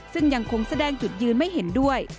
ซึ่งยังคงแสดงจุดยืนไม่เห็นด้วย